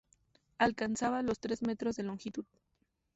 Alcanzaba los tres metros de longitud.